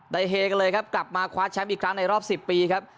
เฮกันเลยครับกลับมาคว้าแชมป์อีกครั้งในรอบ๑๐ปีครับ